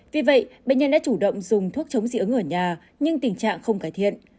vì vậy bệnh nhân đã chủ động dùng thuốc chống dị ứng ở nhà nhưng tình trạng không cải thiện